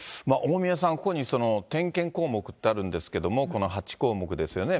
大宮さん、ここに点検項目ってあるんですけれども、この８項目ですよね。